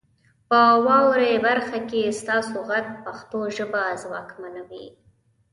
په واورئ برخه کې ستاسو غږ پښتو ژبه ځواکمنوي.